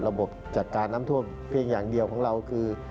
บจัดการน้ำท่วมเพียงอย่างเดียวของเราคือ